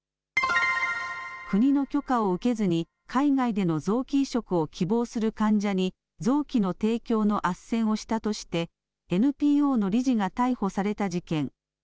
国の許可を受けずに海外での臓器移植を希望する患者に臓器の提供のあっせんをしたとして、ＮＰＯの理事が逮捕された事件。